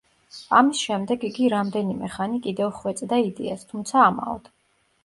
ამის შემდეგ იგი რამდენიმე ხანი კიდევ ხვეწდა იდეას, თუმცა ამაოდ.